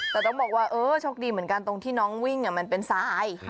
แต่ต้องบอกว่าเออโชคดีเหมือนกันตรงที่น้องวิ่งมันเป็นทราย